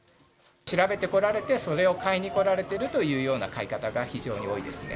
調べて来られて、それを買いに来られてるというような買い方が非常に多いですね。